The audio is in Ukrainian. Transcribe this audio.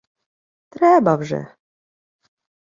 — Треба вже...